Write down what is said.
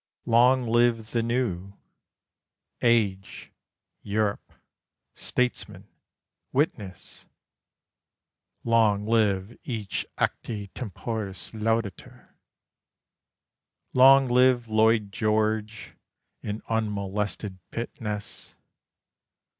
Long live the New "Age," "Europe," "Statesman," "Witness"! Long live each acti temporis laudator! Long live Lloyd George in unmolested Pitt ness!